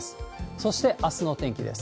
そして、あすの天気です。